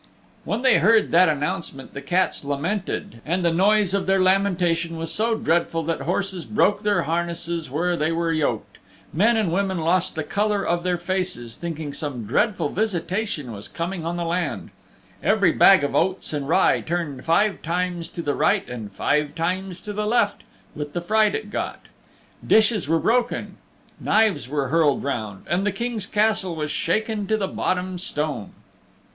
When they heard that announcement the cats lamented, and the noise of their lamentation was so dreadful that horses broke their harnesses where they were yoked; men and women lost the color of their faces thinking some dreadful visitation was coming on the land; every bag of oats and rye turned five times to the right and five times to the left with the fright it got; dishes were broken, knives were hurled round, and the King's Castle was shaken to the bottom stone.